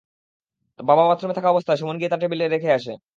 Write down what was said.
বাবা বাথরুমে থাকা অবস্থায় সুমন গিয়ে তাঁর ঘরের টেবিলে রেখে আসে।